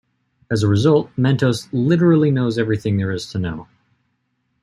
As a result, Mentos literally knows everything there is to know.